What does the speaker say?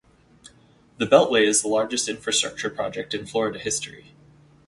The beltway is the largest infrastructure project in Florida History.